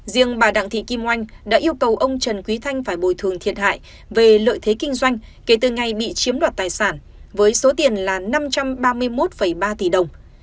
riêng bà đặng thị kim oanh đã yêu cầu ông trần quý thanh phải bồi thường thiệt hại về lợi thế kinh doanh kể từ ngày bị chiếm đoạt tài sản với số tiền là năm trăm ba mươi một ba tỷ đồng